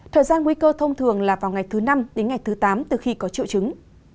thời gian nguy cơ thông thường là vào ngày thứ năm đến ngày thứ tám từ khi có triệu chứng